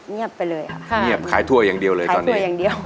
เงียบไปเลยครับค่ะเงียบขายถั่วยังเดียวเลยตอนนี้ขายถั่วยังเดียว